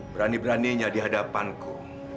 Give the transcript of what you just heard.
berani beraninya di hadapanku